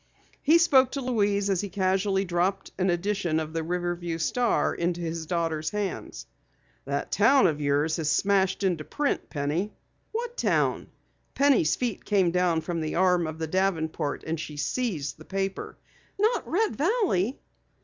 He spoke to Louise as he casually dropped an edition of the Riverview Star into his daughter's hands. "That town of yours has smashed into print, Penny." "What town?" Penny's feet came down from the arm of the davenport and she seized the paper. "Not Red Valley?"